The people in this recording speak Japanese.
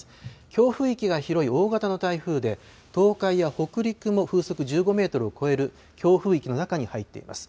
強風域が広い大型の台風で、東海や北陸も風速１５メートルを超える強風域の中に入っています。